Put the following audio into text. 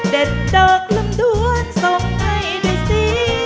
เด็ดดอกลำดวนส่งให้ด้วยสิ